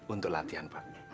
untuk latihan pak